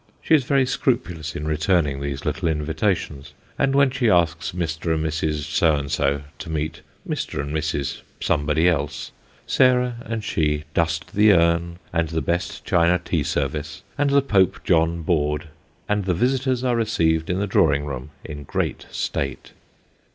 She is very scrupulous in returning these little in vitations, and when she asks Mr. and Mrs. So and so, to meet Mr. and Mrs. Somebody else, Sarah and she dust the urn, and the best china tea service, and the Pope Joan board ; and the visitors are received in the drawing room in great state.